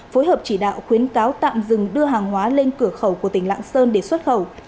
phối hợp chỉ đạo khuyến cáo tạm dừng đưa hàng hóa lên cửa khẩu của tỉnh lạng sơn để xuất khẩu